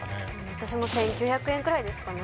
私も１９００円くらいですかね